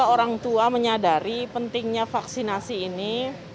orang tua menyadari pentingnya vaksinasi ini